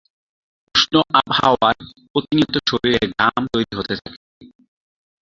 উষ্ণ আবহাওয়ায় প্রতিনিয়ত শরীরে ঘাম তৈরি হতে থাকে।